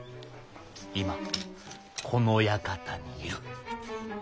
今この館にいる。